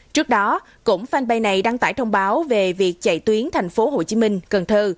trước đó cũng fanpage này đăng tải thông báo về việc chạy tuyến tp hcm cần thơ